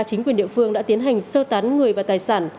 chính quyền địa phương đã tiến hành sơ tán người và tài sản